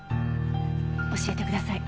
教えてください。